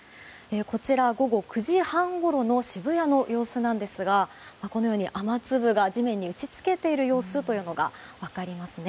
こちら、午後９時半ごろの渋谷の様子ですがこのように雨粒が地面に打ちつけている様子が分かりますね。